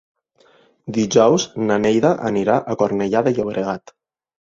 Dijous na Neida anirà a Cornellà de Llobregat.